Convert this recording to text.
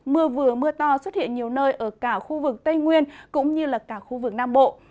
mưa vừa mưa to xuất hiện nhiều nơi ở cả khu vực tây nguyên cũng như là cả khu vực nam bộ